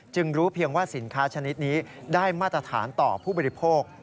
รู้เพียงว่าสินค้าชนิดนี้ได้มาตรฐานต่อผู้บริโภค